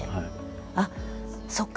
「あっそっか。